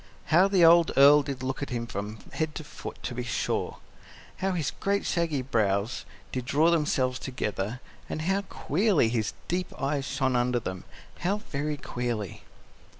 How the old Earl did look at him from head to foot, to be sure! How his great shaggy brows did draw themselves together, and how queerly his deep eyes shone under them how very queerly!